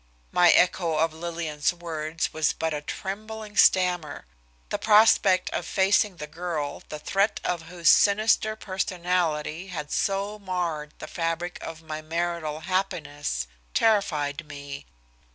My echo of Lillian's words was but a trembling stammer. The prospect of facing the girl the thread of whose sinister personality had so marred the fabric of my marital happiness terrified me.